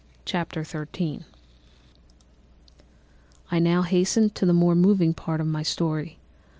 Chapter 13 "I now hasten to the more moving part of my story.